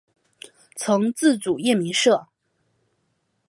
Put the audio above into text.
曾自组燕鸣社。